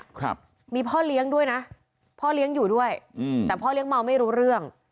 ครับมีพ่อเลี้ยงด้วยนะพ่อเลี้ยงอยู่ด้วยอืมแต่พ่อเลี้ยงเมาไม่รู้เรื่อง